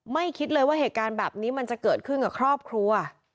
คิดเลยว่าเหตุการณ์แบบนี้มันจะเกิดขึ้นกับครอบครัว